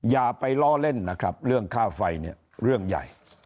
อย่าไปล้อเล่นนะครับเรื่องค่าไฟเนี่ยเรื่องใหญ่